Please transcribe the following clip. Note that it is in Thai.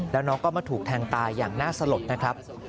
แล้วน้องก็มาถูกแทงตายอย่างน่าสลดนะครับ